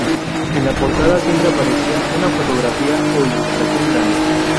En la portada siempre aparecía una fotografía o ilustración grande.